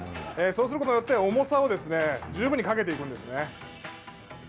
そうすることによって重さを十分にかけていくんですね。